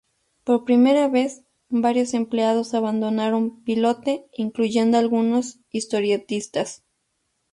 Por primera vez, varios empleados abandonaron "Pilote", incluyendo algunos historietistas.